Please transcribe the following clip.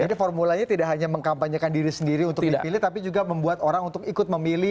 formulanya tidak hanya mengkampanyekan diri sendiri untuk dipilih tapi juga membuat orang untuk ikut memilih